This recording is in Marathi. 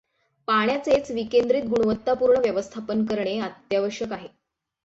पाण्याचेच विकेंद्रित गुणवत्तापूर्ण व्यवस्थापन करणे अत्यावश्यक आहे.